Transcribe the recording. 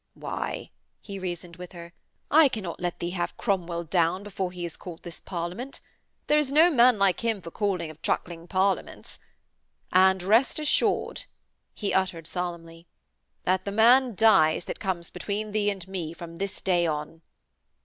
'Why,' he reasoned with her, 'I cannot let thee have Cromwell down before he has called this Parliament. There is no man like him for calling of truckling Parliaments. And, rest assured,' he uttered solemnly, 'that that man dies that comes between thee and me from this day on.'